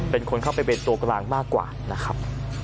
เป็นคนเข้าไปเป็นตัวกลางมากกว่านะครับ